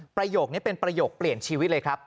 ประโยคนี้เป็นประโยคเปลี่ยนชีวิตเลยครับ